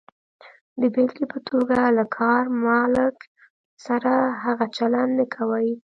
د بېلګې په توګه، له کار مالک سره هغه چلند نه کوئ.